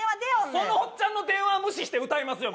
そのおっちゃんの電話を無視して歌いますよ